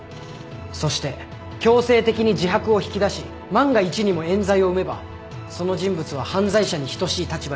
そして強制的に自白を引き出し万が一にも冤罪を生めばその人物は犯罪者に等しい立場になります。